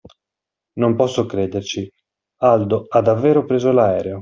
Non posso crederci, Aldo ha davvero preso l'aereo!